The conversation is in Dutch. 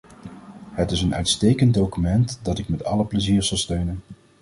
Het is een uitstekend document dat ik met alle plezier zal steunen.